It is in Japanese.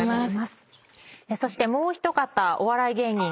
そしてもう一方お笑い芸人